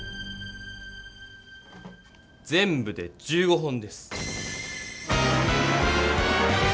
全部で１５本です。